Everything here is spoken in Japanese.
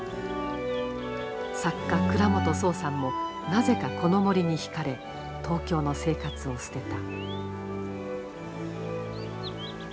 作家倉本聰さんもなぜかこの森に引かれ東京の生活を捨てた。